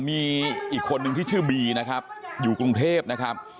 มีอีกคนนึงที่ชื่อบีนะครับอยู่กรุงเทพนะครับ